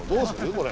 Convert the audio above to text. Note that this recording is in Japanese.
これ。